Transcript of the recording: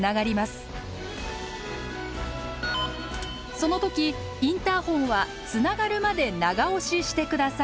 その時インターホンはつながるまで長押しして下さい。